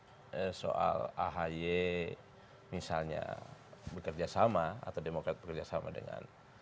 misalnya soal ahy misalnya bekerja sama atau demokrat bekerja sama dengan